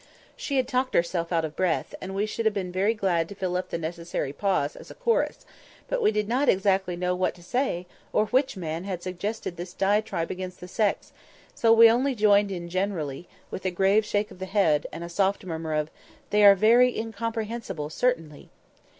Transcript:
She had talked herself out of breath, and we should have been very glad to fill up the necessary pause as chorus, but we did not exactly know what to say, or which man had suggested this diatribe against the sex; so we only joined in generally, with a grave shake of the head, and a soft murmur of "They are very incomprehensible, certainly!"